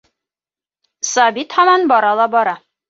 Сабит һаман бара ла бара.